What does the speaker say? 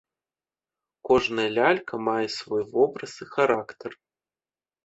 Кожная лялька мае свой вобраз і характар.